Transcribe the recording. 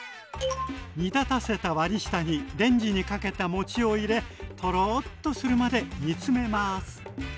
煮立たせた割り下にレンジにかけたもちを入れトロッとするまで煮詰めます。